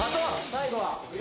最後は。